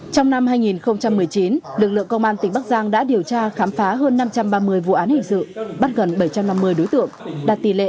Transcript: trong năm hai nghìn một mươi chín lực lượng công an tỉnh bắc giang đã điều tra khám phá hơn năm trăm ba mươi vụ án hình sự bắt gần bảy trăm năm mươi đối tượng đạt tỷ lệ chín mươi